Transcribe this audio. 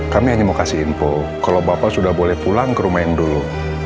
kami hanya mau kasih info kalau bapak sudah boleh pulang ke rumah yang dulu